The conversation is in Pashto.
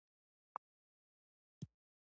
ستا موخې څه دي ؟